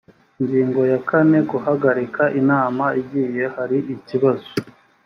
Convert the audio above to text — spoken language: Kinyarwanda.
ingingo ya kane guhagarika inama igihe hari ikibazo